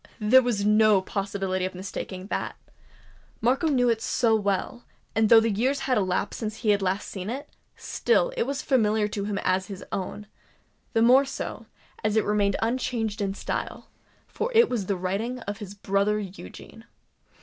there was no possibility of mistaking that! Markham knew it so well; and though years had elapsed since he had last seen it, still it was familiar to him as his own—the more so, as it remained unchanged in style;—for it was the writing of his brother Eugene!